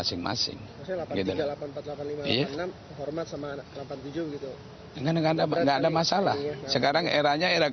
ini itu yang terbaik